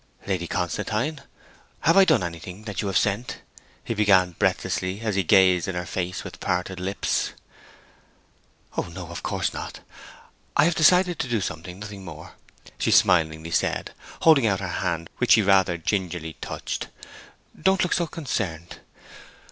'Lady Constantine, have I done anything, that you have sent ?' he began breathlessly, as he gazed in her face, with parted lips. 'O no, of course not! I have decided to do something, nothing more,' she smilingly said, holding out her hand, which he rather gingerly touched. 'Don't look so concerned.